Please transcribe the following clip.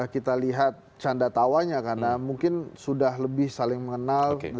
kita lihat canda tawanya karena mungkin sudah lebih saling mengenal